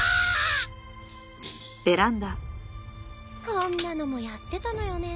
こんなのもやってたのよね。